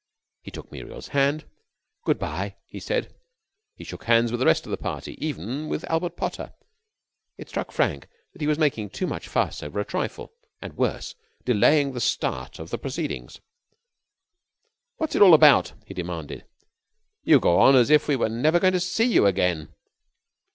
He took Muriel's hand. "Good by," he said. He shook hands with the rest of the party, even with Albert Potter. It struck Frank that he was making too much fuss over a trifle and, worse, delaying the start of the proceedings. "What's it all about?" he demanded. "You go on as if we were never going to see you again."